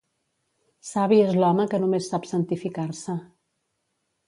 Savi és l'home que només sap santificar-se.